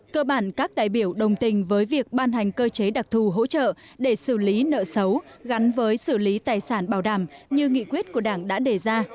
cơ bản các đại biểu đồng tình với việc ban hành cơ chế đặc thù hỗ trợ để xử lý nợ xấu gắn với xử lý tài sản bảo đảm như nghị quyết của đảng đã đề ra